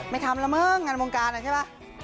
ไม่ทำละมั้งงานวงการน่ะใช่ป่ะ